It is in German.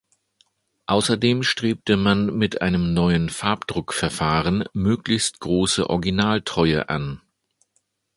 Außerdem strebte man mit einem neuen Farbdruck-Verfahren möglichst große Originaltreue an.